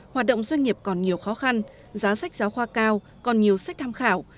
hoạt động doanh nghiệp còn nhiều khó khăn giá sách giáo khoa cao còn nhiều sách tham khảo